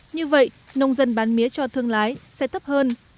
như vậy nông dân bán mía cho thương lái sẽ thấp hơn